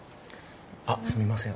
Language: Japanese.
あっすみません